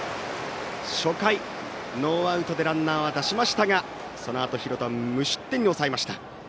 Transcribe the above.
初回、ノーアウトでランナーは出しましたがそのあと廣田は無失点に抑えました。